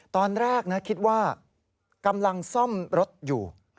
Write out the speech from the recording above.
ตอนแรกนะคิดว่ากำลังซ่อมรถอยู่